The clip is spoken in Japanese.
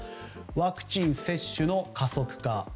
ワクチン接種の加速化。